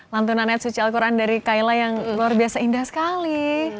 lantunan etsuci al quran dari kayla yang luar biasa indah sekali